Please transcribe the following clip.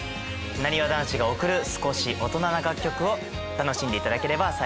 なにわ男子が贈る少し大人な楽曲を楽しんで頂ければ幸いです。